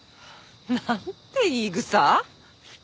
なんて言い草？